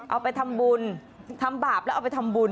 เอาไปทำบุญทำบาปแล้วเอาไปทำบุญ